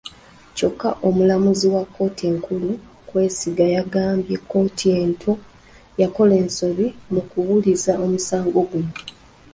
Kyokka omulamuzi wa kkooti enkulu Kwesiga yagambye kkooti ento yakola ensobi mukuwuliriza omusango guno.